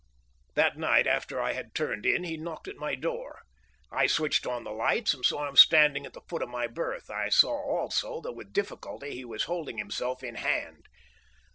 That night after I had turned in he knocked at my door. I switched on the lights and saw him standing at the foot of my berth. I saw also that with difficulty he was holding himself in hand.